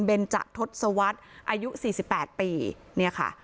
เบนจักรทศวรรษอายุสี่สิบแปดปีเนี่ยค่ะ